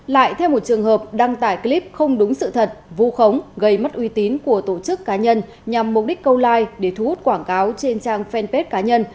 lại theo một trường hợp đăng tải clip không đúng sự thật vu khống gây mất uy tín của tổ chức cá nhân nhằm mục đích câu like để thu hút quảng cáo trên trang fanpage cá nhân